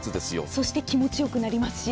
そして気持ちよくなりますし。